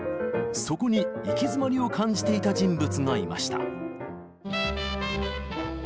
そこに行き詰まりを感じていた人物がいました。